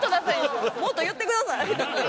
もっと言ってください。